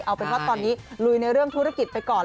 เอาเป็นว่าตอนนี้ลุยในเรื่องธุรกิจไปก่อน